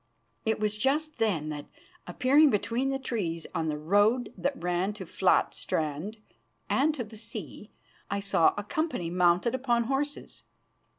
It was just then that, appearing between the trees on the road that ran to Fladstrand and to the sea, I saw a company mounted upon horses.